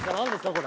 これ。